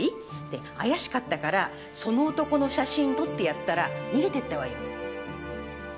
で怪しかったからその男の写真撮ってやったら逃げていったわよ。